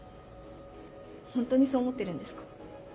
ホントにそう思ってるんですか？